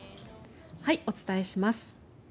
お伝えします。